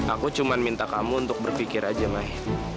aku cuma minta kamu untuk berpikir aja may